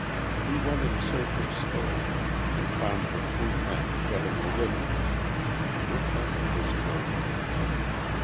He went in search of Stone, and found the three men shut in the living room and with them was Nogi.